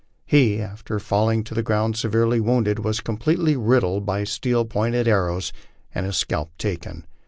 He, after falling to the ground severely wounded, was completely riddled by steel pointed arrows, and his scalp taken.